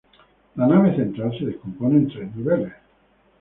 La nave central se descompone en tres niveles.